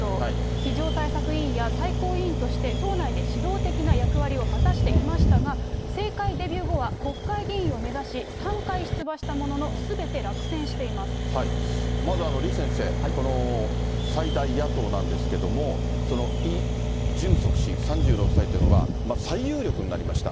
非常対策委員や最高委員として党内で指導的な役割を果たしていましたが、政界デビュー後は国会議員を目指し、３回出馬したものの、すべてまず李先生、この最大野党なんですけれども、そのイ・ジュンソク氏３６歳というのが最有力になりました。